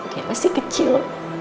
dia masih kecil